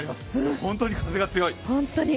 本当に風が強い。